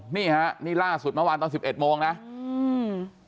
นี่ฮะนี่ล่าสุดเมื่อวานตอนสิบเอ็ดโมงนะอืม